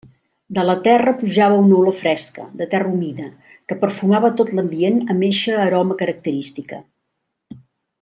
De la terra pujava una olor fresca, de terra humida, que perfumava tot l'ambient amb eixa aroma característica.